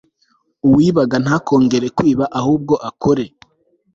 Uwibaga ntakongere kwiba ahubwo akore